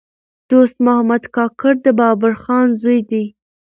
دوست محمد کاکړ د بابړخان زوی دﺉ.